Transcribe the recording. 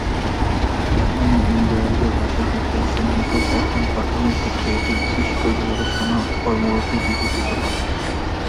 এখনও ইন্দো-আর্য ভাষার বিজ্ঞানসম্মত পঠন-পাঠনের ক্ষেত্রে এটি বিশিষ্ট গবেষণা কর্মরূপে বিবেচিত হয়।